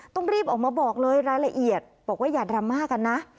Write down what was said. ต้องรีบออกมาบอกเลยรายละเอียดบอกว่าอย่าดราม่ากันนะ